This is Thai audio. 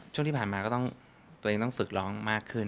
ช่วงที่ผ่านมาก็ต้องตัวเองต้องฝึกร้องมากขึ้น